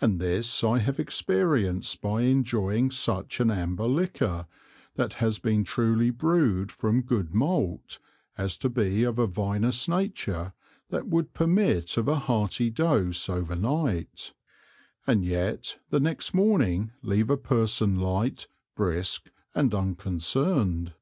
And this I have experienc'd by enjoying such an Amber Liquor that has been truly brewed from good Malt, as to be of a Vinous Nature, that would permit of a hearty Dose over Night, and yet the next Morning leave a Person light, brisk and unconcern'd.